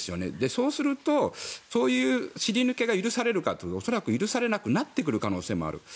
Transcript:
そうすると、そういう尻抜けが許されるかというと恐らく許されなくなってくる可能性もある。